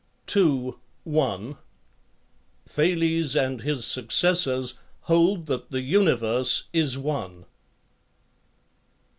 Aet. ii. 1; Dox. 827. Thales and his successors hold that the universe is one.